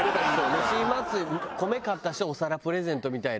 米買った人はお皿プレゼントみたいな。